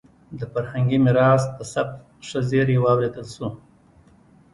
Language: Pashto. د فرهنګي میراث د ثبت ښه زېری واورېدل شو.